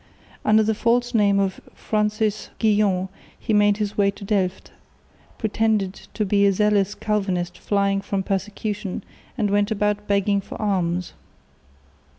Under the false name of Francis Guyon he made his way to Delft, pretended to be a zealous Calvinist flying from persecution, and went about begging for alms.